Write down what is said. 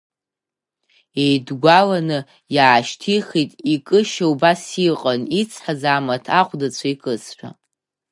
Еидгәаланы иаашьҭихит, икышьа убас иҟан, ицҳаз амаҭ ахәдацәа икызшәа.